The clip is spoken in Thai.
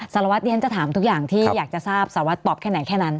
สารวัตรดิฉันจะถามทุกอย่างที่อยากจะทราบสารวัตรตอบแค่ไหนแค่นั้น